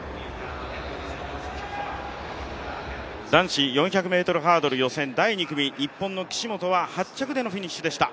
男子４００ｍハードル予選第２組日本の岸本は８着でのフィニッシュでした。